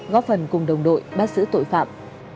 góp phần cùng đồng đội bắt giữ tội phạm